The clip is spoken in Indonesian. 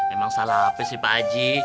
emang salah apa sih pakji